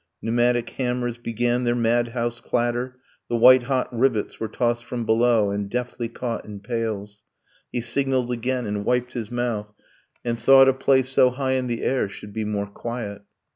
Pneumatic hammers Began their madhouse clatter, the white hot rivets Were tossed from below and deftly caught in pails; He signalled again, and wiped his mouth, and thought A place so high in the air should be more quiet.